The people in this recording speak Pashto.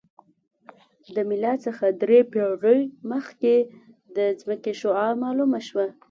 د میلاد څخه درې پېړۍ مخکې د ځمکې شعاع معلومه شوه